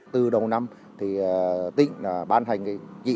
từ đầu năm thì tỉnh ban thành dịch vụ